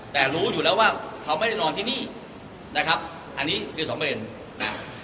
แต่รู้อยู่แล้วว่าเขาไม่ได้นอนที่นี่นะครับอันนี้คือสำเร็จนะ